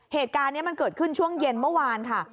เหตุการณ์นี้มันเกิดขึ้นช่วงเย็นเมื่อวานค่ะ